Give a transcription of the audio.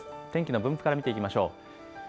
天気の分布から見ていきましょう。